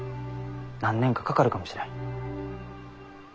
何年かかかるかもしれん。